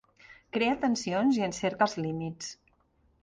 Crea tensions i en cerca els límits.